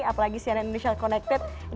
apalagi cnn indonesia konektif